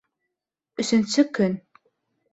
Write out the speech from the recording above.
— Өсөнсө көн.